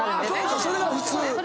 それが普通。